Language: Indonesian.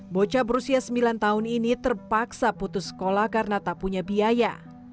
bocah berusia sembilan tahun ini terpaksa putus sekolah karena tak punya biaya